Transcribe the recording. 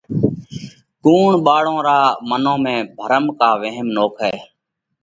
ڪُوڻ ٻاۯون رون منَون ۾ ڀرم ڪا وهم نوکئه؟